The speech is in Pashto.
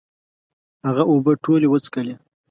هغه اوبه ټولي وڅکلي